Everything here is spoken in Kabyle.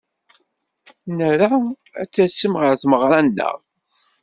Nra ad d-tasem ɣer tmeɣra-nneɣ.